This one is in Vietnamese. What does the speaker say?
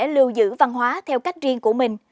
lưu giữ văn hóa theo cách riêng của mình